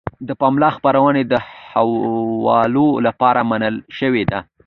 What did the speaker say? د پملا خپرونې د حوالو لپاره منل شوې دي.